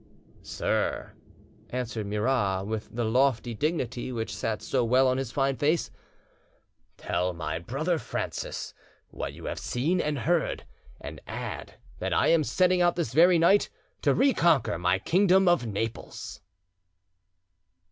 "Sir," answered Murat, with the lofty dignity which sat so well on his fine face, "tell my brother Francis what you have seen and heard, and add that I am setting out this very night to reconquer my kingdom of Naples."